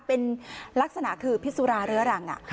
เป็นลักษณะคือพิสุราเรื้อรัง